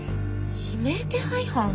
指名手配犯？